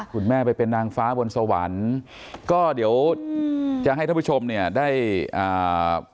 คุณแม่ไปเป็นนางฟ้าบนสวรรค์ก็เดี๋ยวจะให้ท่านผู้ชมเนี่ยได้อ่า